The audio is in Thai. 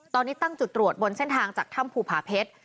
ตอนนี้ตั้งจุดตรวจบนเส้นทางจากถ้ำภูผาเพชร